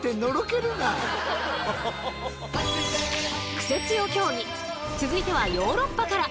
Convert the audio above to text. クセつよ競技続いてはヨーロッパから！